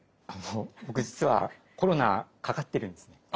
あの僕実はコロナかかってるんですね。